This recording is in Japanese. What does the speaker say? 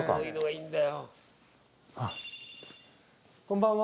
こんばんは。